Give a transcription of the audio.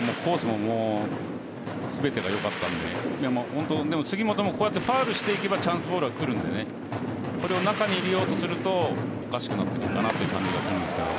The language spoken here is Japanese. もう全てが良かったので杉本もこうやってファウルしていけばチャンスボールはくるのでこれを中に入れようとするとおかしくなってくるかなという感じがしますけど。